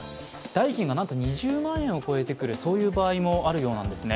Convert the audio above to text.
代金がなんと２０万円を超えてくる場合もあるようです。